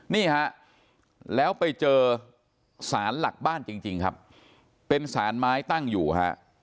นี่ฮะแล้วไปเจอสารหลักบ้านจริงครับเป็นสารไม้ตั้งอยู่ฮะ